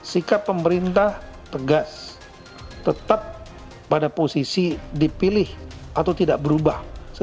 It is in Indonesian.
sikap pemerintah tegas tetap pada posisi dipilih atau tidak berubah